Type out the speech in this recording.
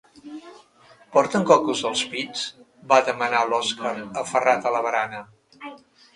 Porten cocos als pits? —va demanar l'Oskar, aferrat a la barana.